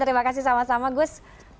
terima kasih sama sama gus